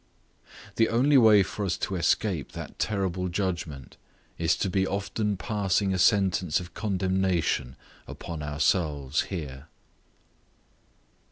The only way for us to escape that terrible judgment is to be often passing a sentence of condemnation upon ourselves here.